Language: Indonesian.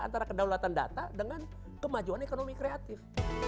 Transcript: antara kedaulatan data dengan kemajuan ekonomi kreatif